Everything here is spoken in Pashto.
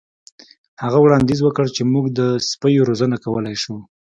هغه وړاندیز وکړ چې موږ د سپیو روزنه کولی شو